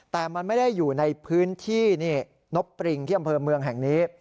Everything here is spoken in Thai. แต่มันไม่ได้อยู่ในพื้นที่นี่นบปริงที่อำเภอเมืองแห่งนี้